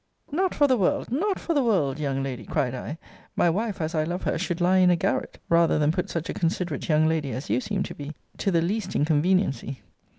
Not for the world! Not for the world, young lady! cried I. My wife, as I love her, should lie in a garret, rather than put such a considerate young lady, as you seem to be, to the least inconveniency.